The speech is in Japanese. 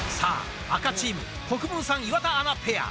さあ、赤チーム、国分さん・岩田アナペア。